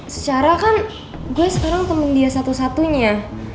secara kan gue sekarang temen dia satu satunya